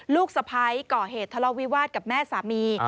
ลูกสะพ้ายก่อเหตุทะเลาวิวาสกับแม่สามี